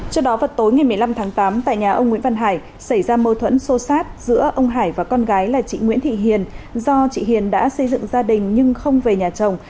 trước đó vào tối ngày một mươi năm tháng tám tại nhà ông nguyễn văn hải xảy ra mâu thuẫn sô sát giữa ông hải và con gái là chị nguyễn thị hiền do chị hiền đã xây dựng gia đình nhưng không về nhà chồng